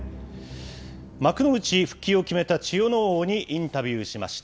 幕内復帰を決めた千代ノ皇にインタビューしました。